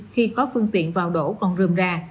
khi có phương tiện vào đổ còn rừng ra